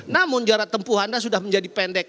namun jarak tempuh anda sudah menjadi pendek